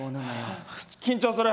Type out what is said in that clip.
緊張する！